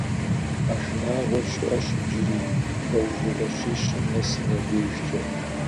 А шынагъуэр щыӀэщ иджыри лӀэужьыгъуэ щищым нэсым я дежкӀэ.